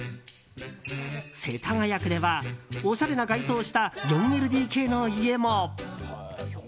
世田谷区ではおしゃれな外装をした４ＬＤＫの家も。